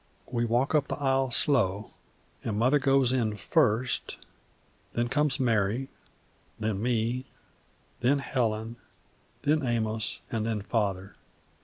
We walk up the aisle slow, and Mother goes in first; then comes Mary, then me, then Helen, then Amos, and then Father.